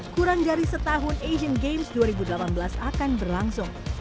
kurang dari setahun asian games dua ribu delapan belas akan berlangsung